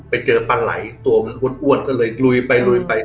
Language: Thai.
ไปเจอปลาไหล่มันอุดก็เลยลุยไป